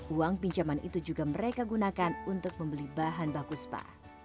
uang pinjaman itu juga mereka gunakan untuk membeli bahan baku spa